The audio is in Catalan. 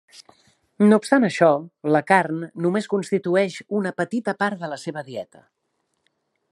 No obstant això, la carn només constitueix una petita part de la seva dieta.